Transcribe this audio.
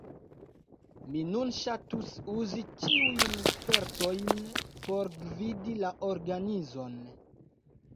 Mi nun ŝatus uzi tiujn spertojn por gvidi la organizon.